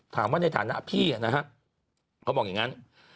ถามว่าในฐานะพี่เขาบอกอย่างนั้น